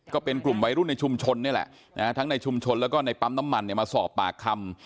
ก็เป็นกลุ่มวัยรุ่นในชุมชนนี่แหละทั้งในชุมชนแล้วก็ในปั๊มน้ำมันมาสอบปากคำ